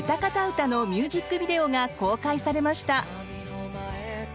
歌」のミュージックビデオが公開されました。